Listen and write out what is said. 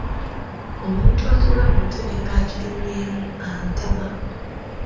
Omuntu atuula mu ntebe ng’agirinnyeemu antama.